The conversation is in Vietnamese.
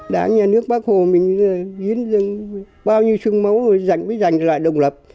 đảng nhà nước bắc hồ mình ghiến dân bao nhiêu sương máu rồi dành lại đồng lập